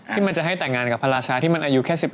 ที่มันจะให้แต่งงานกับพระราชาที่มันอายุแค่๑๘